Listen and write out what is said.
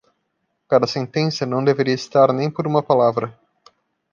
Cada sentença não deveria estar nem por uma palavra.